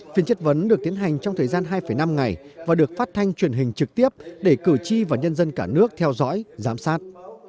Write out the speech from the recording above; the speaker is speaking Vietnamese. phiên chất vấn được tiến hành trong thời gian hai năm ngày và được phát thanh truyền hình trực tiếp để cử tri và nhân dân cả nước theo dõi giám sát